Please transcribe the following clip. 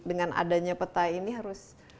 dengan adanya peta ini harus